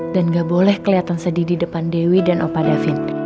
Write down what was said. gak boleh kelihatan sedih di depan dewi dan opa davin